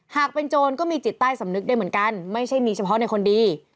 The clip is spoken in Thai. หากเป็นโจรก็มีจิตใต้สำนึกได้เหมือนกันไม่ใช่มีเฉพาะในคนดี